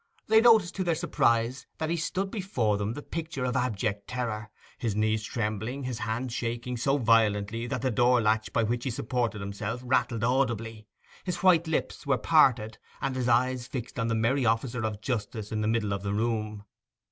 They noticed to their surprise that he stood before them the picture of abject terror—his knees trembling, his hand shaking so violently that the door latch by which he supported himself rattled audibly: his white lips were parted, and his eyes fixed on the merry officer of justice in the middle of the room.